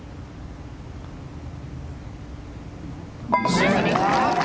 沈めた。